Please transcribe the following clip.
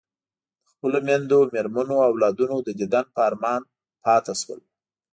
د خپلو میندو، مېرمنو او اولادونو د دیدن په ارمان پاتې شول.